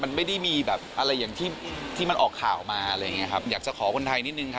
มันไม่ได้มีอะไรอย่างที่มันออกข่าวมาอยากจะขอคนไทยนิดหนึ่ง